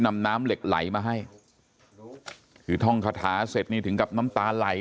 นำน้ำเหล็กไหลมาให้คือท่องคาถาเสร็จนี่ถึงกับน้ำตาไหล